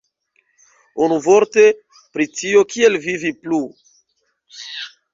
Unuvorte, pri tio, kiel vivi plu.